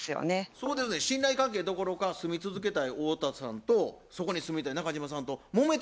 そうですねん信頼関係どころか住み続けたい太田さんとそこに住みたい中島さんともめてるぐらいですからね。